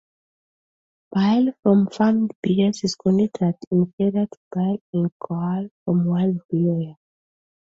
Bile from farmed bears is considered inferior to bile and gall from wild bears.